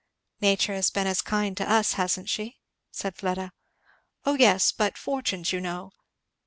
"Nature has been as kind to us, hasn't she?" said Fleda. "O yes, but such fortunes you know.